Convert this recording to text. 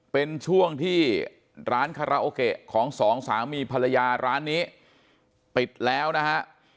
เป็นช่วงที่ร้านคาราโอเกะของสองสามีภรรยาร้านนี้ปิดแล้วนะฮะ